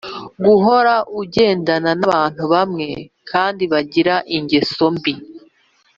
guhora ugendana n’abantu bamwe kandi bafite ingeso mbi.